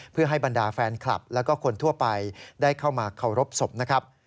เพื่อให้บรรดาแฟนคลับแล้วก็คนทั่วไปได้เข้ามาเคารพศพนะครับ